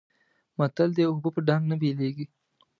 متل دی: اوبه په ډانګ نه بېلېږي.